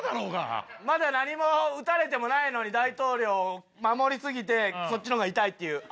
まだ何も撃たれてもないのに大統領を守り過ぎてそっちのほうが痛いっていう。